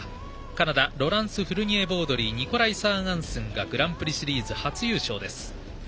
カナダのロランス・フルニエボードリーニゴライ・サアアンスンがグランプリシリーズ初優勝です。